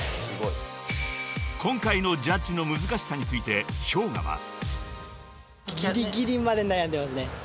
［今回のジャッジの難しさについてＨｙＯｇＡは］わあ！